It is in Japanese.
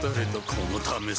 このためさ